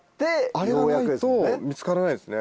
あれがないと見つからないですね。